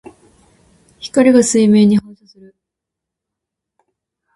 光が水面に反射する。